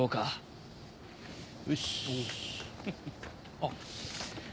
あっ。